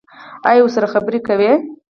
ایا ورسره خبرې کوئ؟